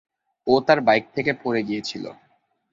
ও তার বাইক থেকে পড়ে গিয়েছিল।